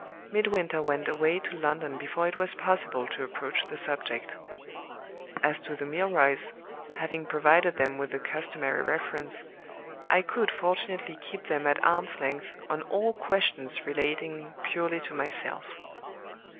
Midwinter went away to London before it was possible to approach the subject. As to the Milroys (having provided them with the customary reference), I could fortunately keep them at arms length on all questions relating purely to myself.